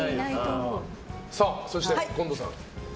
そして、近藤さん。